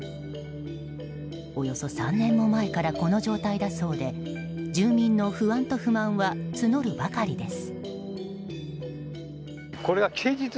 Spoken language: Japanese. およそ３年も前からこの状態だそうで住民の不安と不満は募るばかりです。